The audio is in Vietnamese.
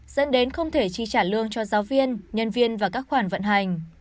dẫn đến không thể chi trả lương cho giáo viên nhân viên và các khoản vận hành